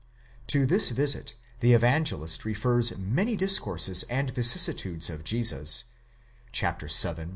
To this visit the Evangelist refers many discourses and vicissitudes of Jesus (vii.